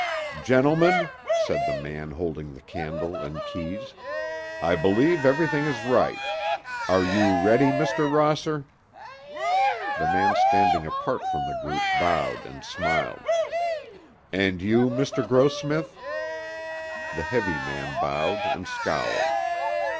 "Gentlemen," said the man holding the candle and keys, "I believe everything is right. Are you ready, Mr. Rosser?" The man standing apart from the group bowed and smiled. "And you, Mr. Grossmith?" The heavy man bowed and scowled.